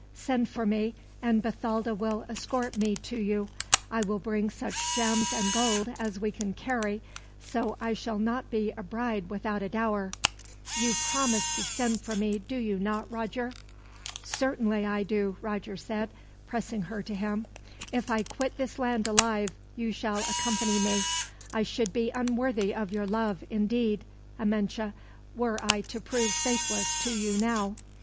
"Send for me, and Bathalda will escort me to you. I will bring such gems and gold as we can carry, so I shall not be a bride without a dower. You promise to send for me, do you not, Roger?" "Certainly I do," Roger said, pressing her to him; "if I quit this land alive, you shall accompany me. I should be unworthy of your love, indeed, Amenche, were I to prove faithless to you now.